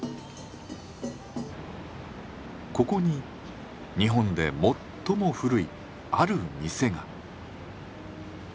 ここに日本で最も古いある店が。